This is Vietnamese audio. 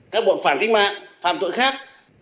các bọn phàm kích mạng phàm tội khác